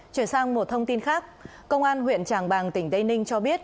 chuyển sang một thông tin khác công an huyện tràng bàng tỉnh tây ninh cho biết